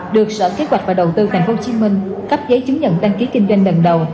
được sở kế hoạch và đầu tư tp hcm cắp giấy chứng nhận đăng ký kinh doanh đần đầu